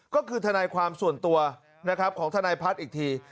ก็คือทนายความส่วนตัวนะครับของทนายพัฒน์อีกที